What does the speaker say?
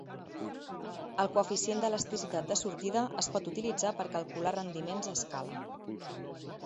El coeficient d'elasticitat de sortida es pot utilitzar per calcular rendiments a escala.